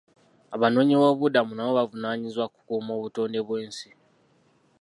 Abanoonyiboobubudamu nabo bavunaanyizibwa ku kukuuma obutonde bw'ensi.